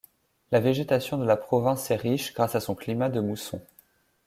La végétation de la province est riche grâce à son climat de mousson.